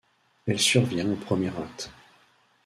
Elle survient au premier acte.